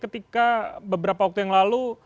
ketika beberapa waktu yang lalu